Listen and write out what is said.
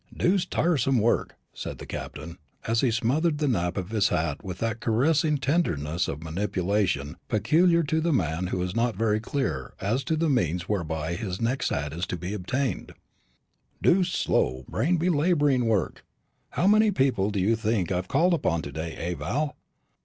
"Deuced tiresome work," said the Captain, as he smoothed the nap of his hat with that caressing tenderness of manipulation peculiar to the man who is not very clear as to the means whereby his next hat is to be obtained, "deuced slow, brain belabouring work! How many people do you think I've called upon to day, eh, Val?